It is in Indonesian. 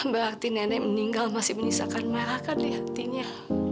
berarti nenek meninggal masih menyisakan marah kan di hatinya